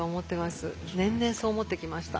年々そう思ってきました。